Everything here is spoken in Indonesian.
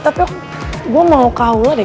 tapi gue mau ke aula deh